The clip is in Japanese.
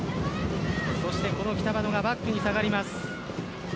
この北窓がバックに下がります。